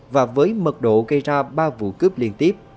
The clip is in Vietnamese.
và với mật độ gây ra ba vụ cướp liên tiếp